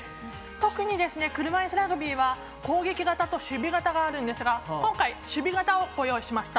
特に、車いすラグビーは攻撃型と守備型がありますが今回、守備型をご用意しました。